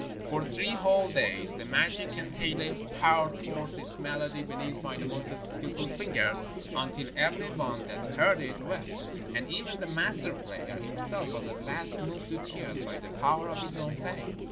For three whole days the magic kantele poured forth its melody beneath Wainamoinen's skilful fingers, until every one that heard it wept, and even the master player himself was at last moved to tears by the power of his own playing.